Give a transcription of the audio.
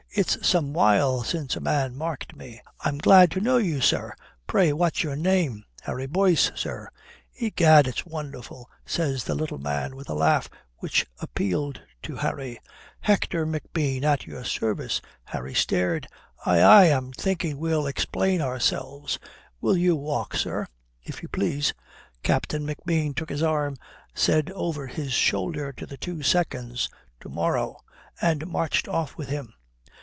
It's some while since a man marked me. I am glad to know you, sir. Pray, what's your name?" "Harry Boyce, sir." "Egad, it's wonderful!" says the little man, with a laugh which appealed to Harry. "Hector McBean, at your service." Harry stared. "Aye, aye, I'm thinking we'll explain ourselves. Will you walk, sir?" "If you please." Captain McBean took his arm, said over his shoulder to the two seconds "To morrow," and marched off with him.